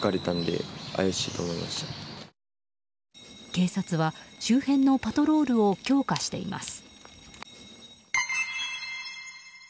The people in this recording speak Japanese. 警察は周辺のパトロールを強化しています。